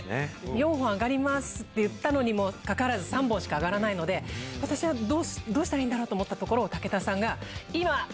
４本上がりますって言ったのにもかかわらず３本しか上がらないのでどうしたらいいんだろう？と思ったところを武田さんが。